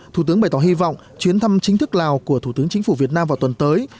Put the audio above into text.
thủ tướng bày tỏ hy vọng chuyến thăm chính thức lào của thủ tướng chính phủ việt nam vào tuần tới